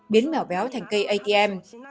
biến mèo béo thành cây atm